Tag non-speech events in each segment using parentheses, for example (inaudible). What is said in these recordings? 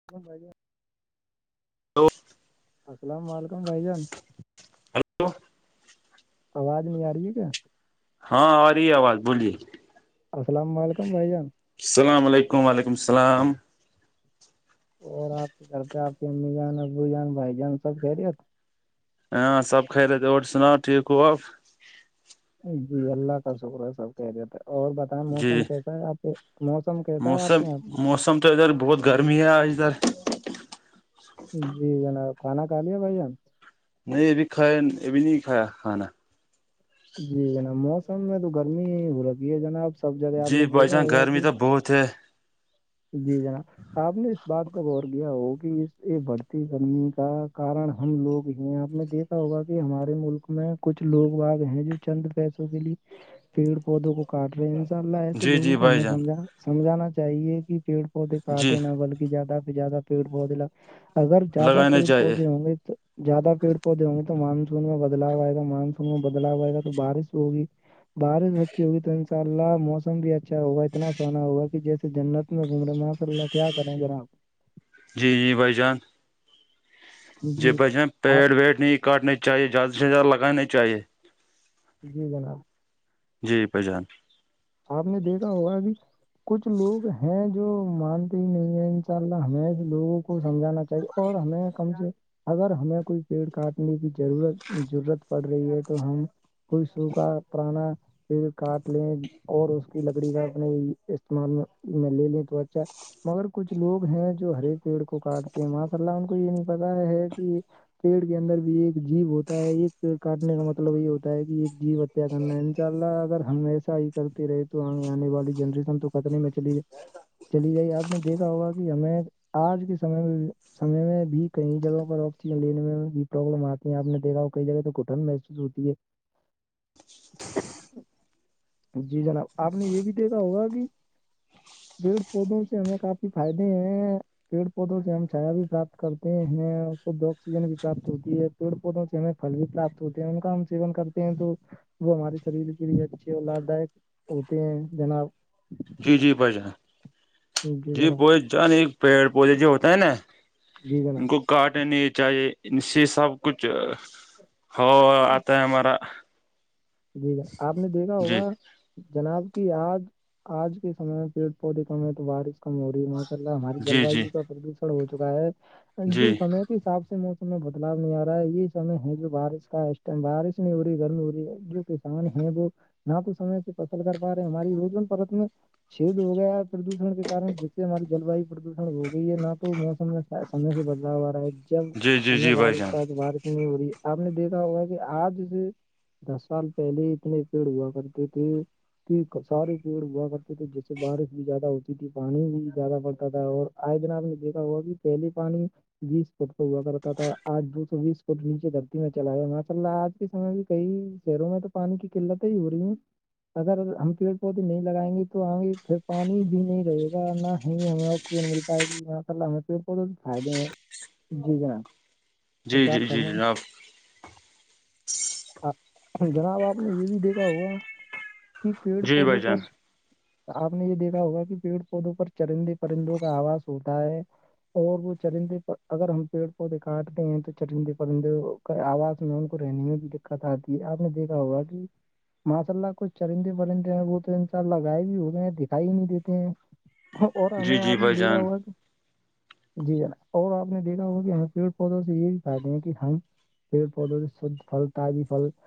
(unintelligible) (unintelligible) السلام علیکم بھائی جان ہلو آواز نہیں آ رہی ہے کیا ہاں آ رہی آواز بولیے السلام علیکم بھائی جان السلام علیکم و علیکم السلام اور آپ کے گھر پہ آپ کی امی جان ابو جان بھائی جان سب کہہ رہے ہو ہاں سب خیریت اور سناؤ ٹھیک کوا جی اللہ کا شکر ہے سب کہہ دیتے ہے اور بتائیں جی موسم کیسا ہے آپ کے موسم کیسا ہے آپ کے یہاں پہ ا تو ادھر بہت گرمی ہے آج ادھر جی جناب کھانا کھا لیا بھائی جان نہیں ابھی کھایا ابھی نہیں کھایا کھانا جی جناب موسم میں تو گرمی ہی ہو رہگ ہے جنابب سب جگہ آپ جی نے بھائی دیکھا جان ہوگا گرمی کہ تو بہت جی جناب آپ نے اس بات پر غور کیایا ہو کہ اس یہ بڑھتی کمی کا کارن ہم لوگ ہی آپ نے دیکھ ای ہوگا کہ ہمارے ملک میں کچھ لوگ باگ ہیں جو چند پیسوں کے لیے پیڑ پودوں کو کاٹ رہے ہیں انشاء اللہ ایسے جی جی لوگوں کو بھائی ہمیں جان سم سمجھانا چاہیے کہ پیڑ پہے جی کاٹے نہ بلکہ زیاد پ زیاد پیڑ پودے لگ اگر زیادہ لگانا پیڑ چاہیے پودے ہوں گے تو زیادہ پیڑ پودے ہوں گے تو مانسون میں بدلاؤ آئے گا مانسون میں بدلاؤ آئے گا تو بارش ہوگی بارش اچھی ہوگی تو ان شاء اللہ موسم بھی اچھا ہوگا اتنا سونا ہوگا کہ جیسے جنت کت میں گھوم رہے ہیں ماشاء اللہ کیا کرے ہیں ذراپ جی جی بائی جان جی بچان آپ پیڑ ویڑ نہیں کاٹنے چاہیے زیادہ سے زیادہ لگانا چاہیے جی جناب جی پجان آپ نے دیکھا ہوگا ا بھی کچھ لوگ ہیں جو مانتے ہی نہیں ہے ان شاء اللہ ہمیں لوگوں کو سمجھانا چاہیے اور ہمیں کم سے اگر ہمیں کوئی پیڑ کاٹنے کی ضرورت ضرورت پڑ رہی ہے تو ہم کوئی سو کاا پرانا پ کاٹ لیں اور اس کی لکڑی کا اپنے استعمال میں لے لیں تو اچھا مگر کچھ لوگ ہیں جو ہرے پیڑ کو کاٹتے ہیں ماںصا اللہ ان کو یہ نہیں پتا ہے کہ پیڑ کے اندر بھی ایک جیب ہوتا ہے ایک پیڑ کاٹنے کا مطلب یہ ہوتا ہے کہ ایک جی کرنا انشاء اللہ اگر ہم ایسا ہی کرتے رہے تو آنے والی جنریشن تو خطرے میں چلی چلی جائی آپ نے دیکھا ہوگا کہ ہمیں آج کے سمے میں سمے میں بھی کئی جگہ پر آکسیجن لینے میں بھی پرابلم آتی ہے آپ نے دیکھا کئی جگہ تو گٹھن محسوس ہوتی ہے جی جی جناب آپ نے یہ بھی دیکھا ہوگا کہ پیڑ پودوں سے ہمیں کافی فائدے ہیں پیڑ پودوں سے ہم چھایا بھی پراپت کرتے ہیں آکسیجن بھی پراپت ہوتی ہے پڑ پودوں سے ہمیں پل بھی پراپت ہوتے ہیں ان کا ہم سیون کرتے ہیں تو وہ ہمارے شریر کے لیے اچھے اور لابھ دائک ہوتے ہیں جناب جی جی بھائی جان جی بائی جان ایک پیڑ پودے جو ہوتا ہے نا جی ان جناب کو کاٹ نہیں چاہیے ان سے سب کچھ ہو آتا ہے مارا جییک آپ نے دیکھا ہوگا جناب کی آج آج کے سمے میں پیڑ پودے کم ہے تو بارش کم ہو رہی ہے م لہ ہماری جل جی جی واو کا پردوشن ہو چکا ہے جی جو سے حساب سے موسم میں بدلاؤ نہیں آ رہا ہے یہ سمے ہے جو بارش کا اسٹائم بارش نہیں ہو رہی گرمی ہو رہی ہے جو کسان ہے وہ نہ تو سمے سے فصل کر پا رہے ہیں ہماری رو پرت میں (unintelligible) چد ہو گیا ہے پردوشن کےارن جیس سے ہماری جل واو پردوشن ہو گئی ہے نہ تو موسم میں سمے سے بدلاؤ آ رہا ہے جب جی جی سمے جی بھائی جان بارشتا ہے تو بارش ہو رہی آپ نے دیکھا ہوگا کہ آج سے دس سال (unintelligible) پہلے اتنے پیڑ ہوا کرتے تھے (unintelligible) پ سارے پیڑ ہوا کرتے تھے جس سے بارش بھی زیادہ ہوتی تھی پانی بھی زیادہ پڑتا تھا اور (unintelligible) آئے دن آپ نے دیکھا وہ بھی پھیلی پانی (unintelligible) بیس فٹ تو ہوا کرتا تھا آج دو سو بیس فٹ نیچے دھرتی میں چلا گیا ماشاء اللہ آج کے سمے بھی کئی شیروں میں تو پانی کی قلت ہی ہو رہی ہے (unintelligible) اگر ہم پیڑ پودے نہیں لگائیں گے تو آے پھر پانی بھی نہیں رہے گا نہ ہی ہم (unintelligible) مل پائے گی ماشء اللہ ہمیں پ بہت فائدے ہیں جی جناب (unintelligible) جی جی آپ جی فرمائیں جناب ر جی بھائی جان (unintelligible) آپ نے یہ دیکھا ہوگا کہ پیڑ پودوں پر چرندے پرندوں کا آواز ہوتا ہے اور وہ چرندے پر اگر ہم پیڑ پودے کاٹتے ہیں تو چرندے پرندے (unintelligible) آواز میں ان کو رہنے میں بھی دقت آتی ہے آپ نے دیکھا ہوگا کہ (unintelligible) (unintelligible) جی جی بھائی جان (unintelligible) (unintelligible) (unintelligible)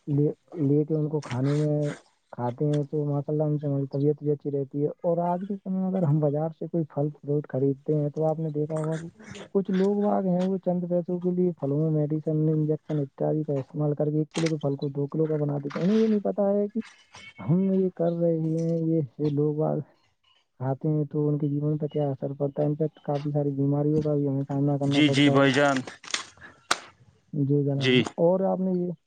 (unintelligible) (unintelligible) (unintelligible) (unintelligible) (unintelligible) (unintelligible) (unintelligible) جی جی بھائی جان جی (unintelligible)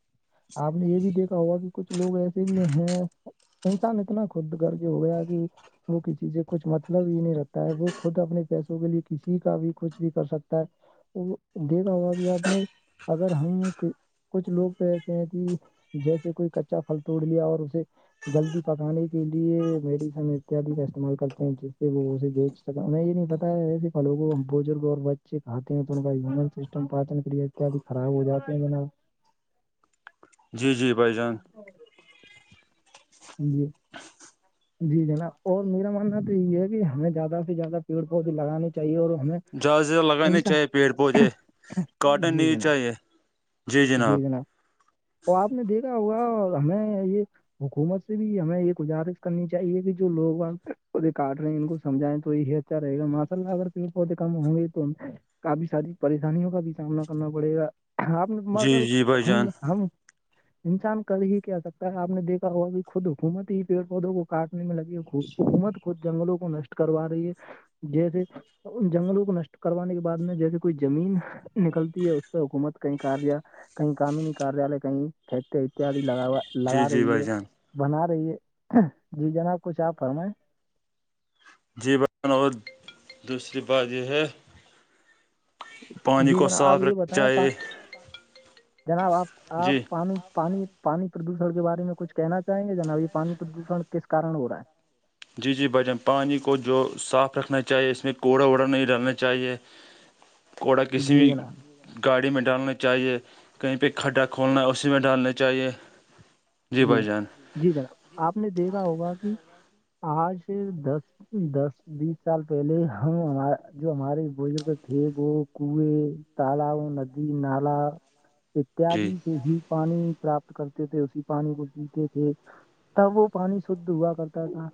(unintelligible) (unintelligible) (unintelligible) (unintelligible) (unintelligible) (unintelligible) (unintelligible) اتدھی خراب ہو جاتی انے جی جی بھائی جان (unintelligible) جی جناب اور میرا ماننا تو یہ ہے کہ ہمیں زیادہ سے زیادہ پیڑ پودے لگانے چاہیے اور ہمیں جہازز لگانے انسان چاہیے پیڑ پودے کاٹن جی نہیں جناب چاہیے جی جناب تو آپ نے دیکھا ہوگا ہمیں یہ حکومت سے بھی ہمیں یہ گزارش کرنی چاہیے کہ جو لوگ پودے کاٹ رہے ہیں ان کو سمجھائیں توی ہے چاراے مساللہ اگر ت پ ہوتی کم ہوگئی تو کافی ساری پریشانیوں کا بھی سامنا کرنا پڑے گا آپ جی جی نےگر بھائی ہم جان ہم انسان کل ہی کیا سکتا ہے آپ نے دیکا ہوا خود حکومت ہی پیڑ پودوں کو کاٹنے میں لگی حکومت خود جنگلوں کو نشٹ کروا رہی ہے جیسے ان جنگلوں کو نشٹ کروانے کے بعد میں جیسے کوئی زمین نکلتی ہے اس پہ حکومت کئیار کئی قانونی کاریالے کہیں کھیت اتیاد لگاا جی لگا جی رہی بھائی ہے جان بنا رہی ہے جی جناب کچھ آپ فرمائیں جی ب اور دوسری بات یہ ہے پانی جی کو جناب آپ صاف یہ رکھنا بتائیں پا- چاہیے جناب آپ آپ جی پانی پانی پانی پردوشن کے بارے میں کچھ کہنا چاہیں گے جناب یہ پانی پردوشن کس کارن ہو رہا ہے جی جی بھجان پانی کو جو صاف رکھنا چاہیے اس میں کوڑا ووڑا نہیں ڈلنا چاہیے (inaudible) گھوڑا کسی جی بھی جناب گاڑی میں ڈالنی چاہیے کہیں پہ کھڈا کھولنا ہے اسی میں ڈالنا چاہیے جی بھائی جان جی جنا آپ نے دیکھا ہوگا کہ آج دس دس بیس سال پہلے ہمار جو ہمارے بزرگ تھے وہ کنیں تالؤ ندی نالا اتیاد جی سے ہی پانی پراپت کرتے تھے اسی پانی کو پیتے تھے تب وہ پانی شھ ہوا کرتا تھا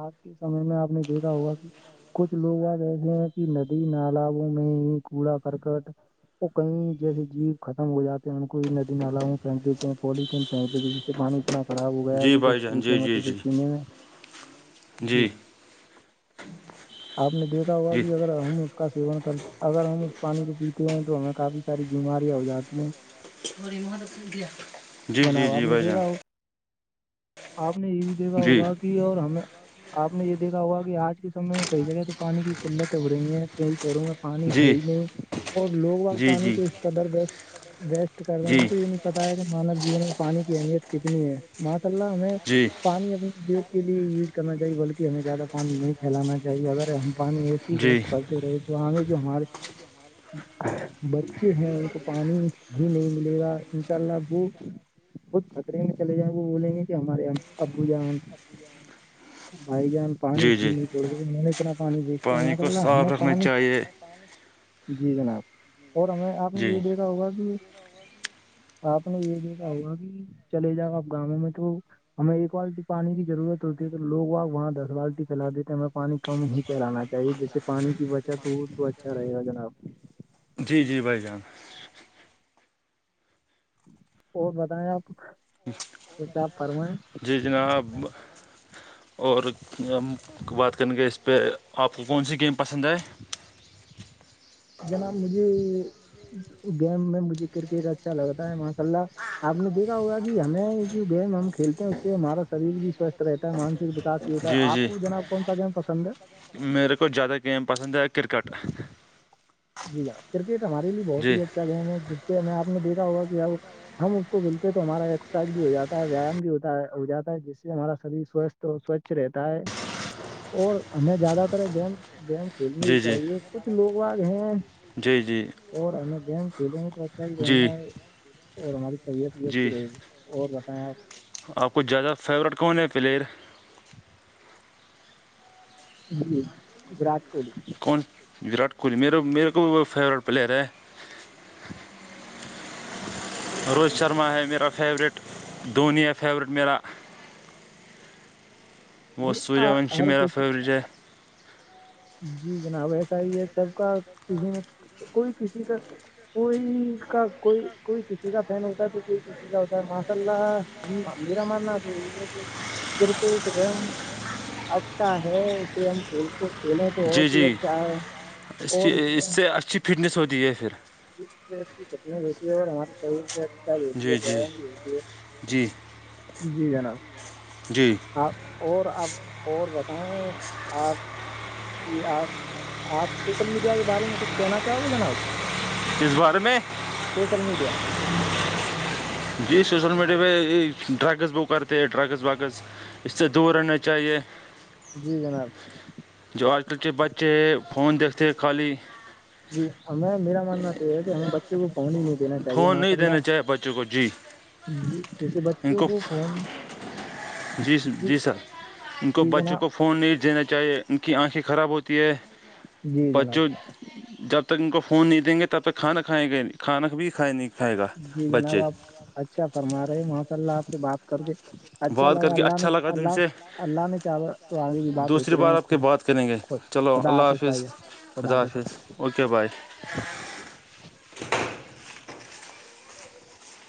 آج کے سمے میں آپ نے دیکھا ہوا کہ کچھ لوگ آج ایسے ہیں کہ ندی نالوں میں ہی کوڑا کرکٹ وہ کہیں جیسے جیو ختم ہو جاتے ہیں ان کو ندی نالا پھینک دیتے ہیں پالتھیین پہنک جس سے پانی اتنا خراب ہو گیا ہے جی کہ بھائی کچھ جان پوچ جی جی توے جی پینے میں جی آپ نے دیکھا ہوا جی بھی اگر ہم اس کا سیون کر اگر ہم اس پانی کو پیتے ہیں تو ہمیں کافی ساری بیماریاں ہو جاتی ہیں جی جی جناب آپ جی نے بھائی جان دیکھا ہو آپ نے یہ بھی دیکھا جی ہوگا کہ اور ہمیں آپ نے یہ دیکھا ہوا کہ آج کے سمے میں کئی جگہ تو پانی کی قلتیں ہو رہی ہیں کئی شہروں میں پانی ہے جی جی ہی نہیں اور لوگ بگ جی پانی جی کو اس قدر و وسٹ کر رہے ہیں ان کو یہ نہیں بتایا کہ مانو جیون میں پانی کی اہمیت کتنی ہے ماشاء اللہ ہمیں جی پانی اپنے کے لیے یوز کرنا چاہیے بلکہ ہمیں زیادہ پانی نہیں پھیلانا چاہیے اگر ہم پانی اے سی جی ویسٹ کرتے رہے تو ہمیں جو ہمارے بچے ہیں ان کو پانی ہی نہیں ملے گا انشاء اللہ وہ خود خطرے میں چلے جائیں وہولے نہیں تھے ہمارے یہاں ابو جان بھائی جان پانی جی ہی جی نہیں چھوڑ گ میں نے اتنا پانی وسٹ کیا م پانی کر کو اللہ صاف ہمیں رکھنا پانی چاہیے جی جناب اور ہمیں آپ نے جی یہ دیکھا ہوگا کہ آپ نے یہ د ایا ہوا کہ چلے جاؤ آپ گاؤںوں میں تو ہمیں ایک بالٹی پانی کی ضرورت ہوتی ہے تو لوگ وہاں دس بالٹی پھیلا دیتے ہیں ہمیں پانی کم ہی پلانا چاہیے جیسے پانی کی بچت ہو تو اچھا رہے گا جناب جی جی بھائی جان اور بتائیں آپ کچھ آپ فرمائیں جی جناب اور ہم بات کریں گے اس پہ آپ کو کون سی گیم پسند آئے جناب مجھے گیم میں مجھے کرکٹ اچھا لگتا ہے ماشاء اللہ آپ نے دیکھا ہوگا کہ ہمیں جو گیم ہم کھیلتے ہیں اس سے ہمارا شریر بھی سوستھ رہتا ہے مانسک وکاس جی ہوتا ہے آپ کو جناب کون سا گیم پسند ہے میرے کو زیاد گم پسند ہے کررکٹ جی ہاں کرکٹ ہمارے لیے بہت جی ہی اچھا گیم ہے جس سے ہم آپ نے دیکھا ہوگا کہ اب ہم اس کو ملتے تو ہمارا ایکسرسائز بھی ہو جاتا ہے ویام بھی ہوتا ہو جاتا ہے جس سے ہمارا شریر سوستھ تو سوچھ رہتا ہے اور ہمیں زیادہ تر گیم گیم کھیلنے ہی جی جی چاہیے کچھ لوگ آ جی جی اور ہمیں گیم کھیلے میں تو اچھا ہی رہے جی گا ہے اور ہماری طبیعت بھی اچھی جی رہے گی اور بتائیں آپ آپ کو زیادہ فیوریٹ کون ہے پلیئر جی وراٹ کوہلی کون وراٹ کوہلی میرے میرے کو فیوریٹ پلیئر ہے روہت جی شرما ہے میرا فیورٹ دھونی ہے فیورٹ میرا وہ جی سوریہ ون آ- ہر میرا کسی فیورٹ جائے جی جناب ایسا ہی ہے سب کا کسی نے کوئی کسی کا کوئی کا کوئی کوئی کسی کا فین ہوتا تو کوئی کسی تا ماشاء اللہمیرمک گ اچھا ہے اسے ہم کھیل کھیلیں تو اور جی بھی جی اچھا ہے اور کی اس میں سے اچھی فٹنس ہوتی ہے پھر سے اچھی کٹن ہوتی ہے اور ہم شریر سے اچھا بھی ہوتی ہے جی جی بیام بھی ہوتی ہے جی جی جناب جی آپ اور آپ اور بتائیں آپ جی آپ آپ سوشل میڈیا کے بارے میں کچھ کہنا چاہو گے جناب اس بارے میں سوشل میڈیا جی سوشل میڈیا پہ ڈرگس ب کرتے ڈرگس وگس اس سے دور رہنا چاہیے جی جناب جو آج کل کے بچے فون دیکھتے خالی جی ہمیں میرا ماننا تو یہ ہے کہ ہمیں بچوں کو پڑھنی نہیں دینا چاہیے فون ماشاء نہیں اللہ دینا چاہیے بچوں کو جی ج جیسے بچوں کو فون جی جی سر ان کو جی بچوں جناب کو فون نہیں دینا چاہیے چاہے ان کی آنکھیں خراب ہوتی ہے جی بچوں جناب جب تک ان کو فون نہیں دیں گے تب تک کھانا کھائیں گ کھانا بھی کھائے نہیں کھائے گا جی جناب بچے آپ اچھا فرما رہے ماشاء اللہ آپ سے بات کر کے اچھا بات اللہگا کر کے اللہ نے اچھا لگا تم اللہ سے اللہ نے چاہا تو آگے بھی بات دوسری ہوتی رہے بار ہیں آپ کے خود بات کریں گے خود چلو اللہ حافظ با خدا آ س حافظ بائی اوکے بائے